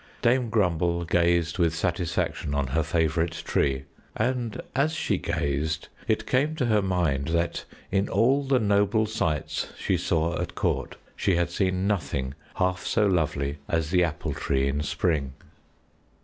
Dame Grumble gazed with satisfaction on her favorite tree, and as she gazed it came to her mind that in all the noble sights she saw at court, she had seen nothing half so lovely as the Apple Tree in spring.